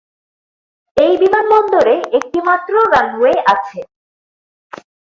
এই বিমানবন্দরে একটি মাত্র রানওয়ে আছে।